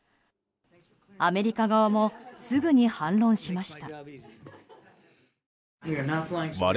アメリカ側もすぐに反論しました。